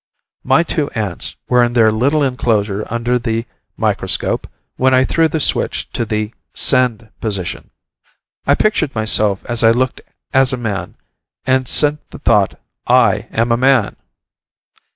My two ants were in their little enclosure under the microscope when I threw the switch to the "send" position. I pictured myself as I looked as a man, and sent the thought, "I am a man."